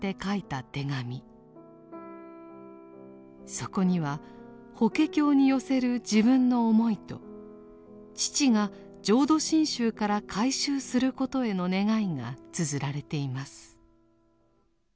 そこには法華経に寄せる自分の思いと父が浄土真宗から改宗することへの願いがつづられています。